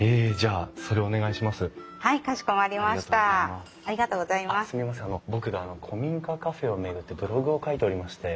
あの僕古民家カフェを巡ってブログを書いておりまして。